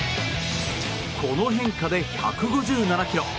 この変化で１５７キロ。